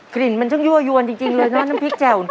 กลิ่นมันช่างยั่วยวนจริงเลยนะน้ำพริกแจ่ว